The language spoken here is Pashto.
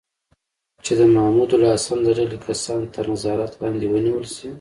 چې د محمود الحسن د ډلې کسان تر نظارت لاندې ونیول شي.